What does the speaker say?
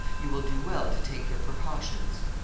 You will do well to take your precautions."